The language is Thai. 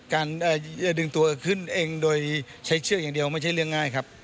การจะดึงตัวขึ้นเองโดยใช้เชือกอย่างเดียวไม่ใช่เรื่องง่ายครับ